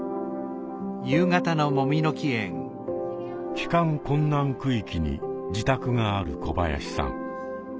帰還困難区域に自宅がある小林さん。